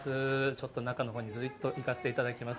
ちょっと中のほうにずーっといかせていただきます。